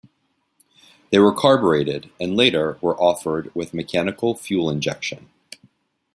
They were carbureted and later were offered with mechanical fuel injection.